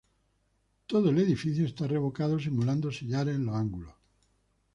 Todo el edificio está revocado, simulando sillares en los ángulos.